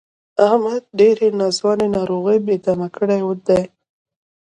احمد ډېرې ناځوانه ناروغۍ بې دمه کړی دی.